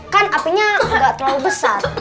kan apinya nggak terlalu besar